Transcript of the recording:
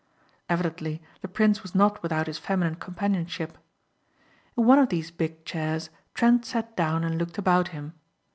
Evidently the prince was not without his feminine companionship. In one of these big chairs Trent sat down and looked about him.